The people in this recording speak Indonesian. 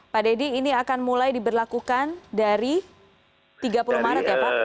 pak deddy ini akan mulai diberlakukan dari tiga puluh maret ya pak